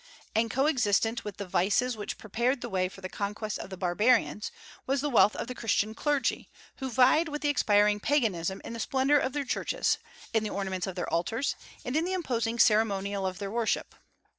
And coexistent with the vices which prepared the way for the conquests of the barbarians was the wealth of the Christian clergy, who vied with the expiring Paganism in the splendor of their churches, in the ornaments of their altars, and in the imposing ceremonial of their worship.